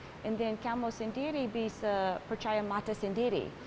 dan kemudian kamu sendiri bisa percaya mata sendiri